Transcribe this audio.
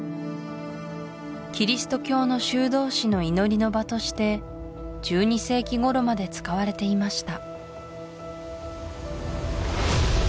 キリスト教の修道士の祈りの場として１２世紀頃まで使われていました